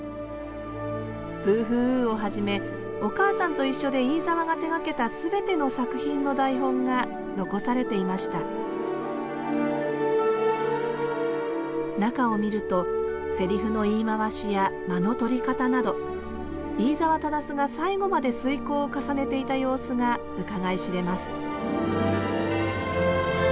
「ブーフーウー」をはじめ「おかあさんといっしょ」で飯沢が手がけた全ての作品の台本が残されていました中を見るとせりふの言い回しや間の取り方など飯沢匡が最後まで推敲を重ねていた様子がうかがい知れます